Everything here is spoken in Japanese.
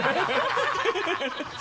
ハハハ